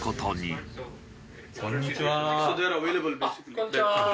こんにちは。